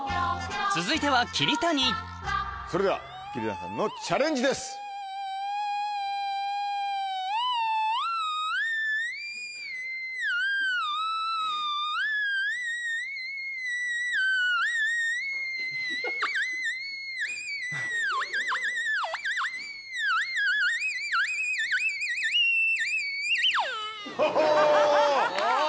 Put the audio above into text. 続いてはそれでは桐谷さんのチャレンジです。おぉ。